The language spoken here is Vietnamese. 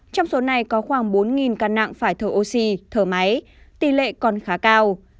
trong số này có khoảng bốn căn nặng phải thở oxy thở máy tỷ lệ còn khá cao